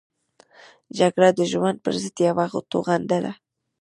جګړه د ژوند پرضد یوه توغنده ده